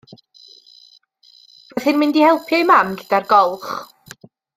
Roedd hi'n mynd i helpu ei mam gyda'r golch.